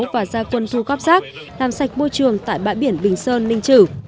và gia quân thu góp rác làm sạch môi trường tại bãi biển bình sơn ninh chử